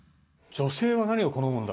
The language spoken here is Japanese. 女性は何を好むの？